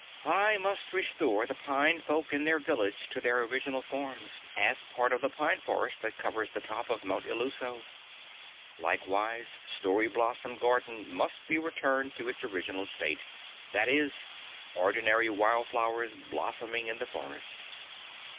"I must restore the pine folk and their village to their original forms, as part of the Pine Forest that covers the top of Mount Illuso. Likewise, Story Blossom Garden must be returned to its original state, that is, ordinary wild flowers blossoming in the forest."